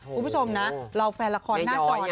คุณผู้ชมนะเราแฟนละครหน้าจอ